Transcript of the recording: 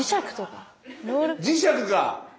磁石か！